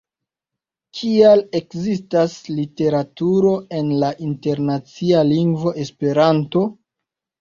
Kial ekzistas literaturo en la internacia lingvo Esperanto?